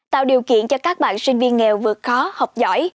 tạo điều kiện cho các bạn sinh viên nghèo vượt khó học giỏi